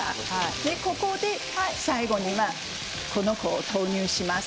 ここで最後にこの子を投入します。